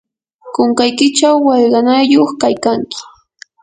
kunkaykichaw wallqanayuq kaykanki.